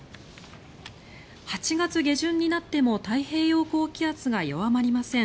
８月下旬になっても太平洋高気圧が弱まりません。